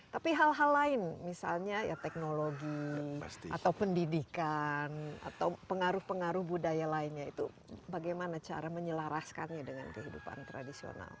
tapi hal hal lain misalnya ya teknologi atau pendidikan atau pengaruh pengaruh budaya lainnya itu bagaimana cara menyelaraskannya dengan kehidupan tradisional